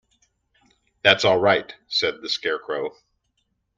"That's all right," said the Scarecrow.